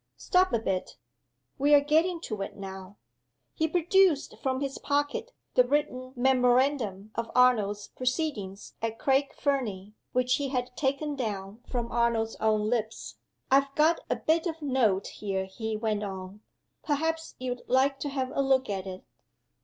Stop a bit! We are getting to it now." He produced from his pocket the written memorandum of Arnold's proceedings at Craig Fernie, which he had taken down from Arnold's own lips. "I've got a bit of note here," he went on. "Perhaps you'd like to have a look at it?"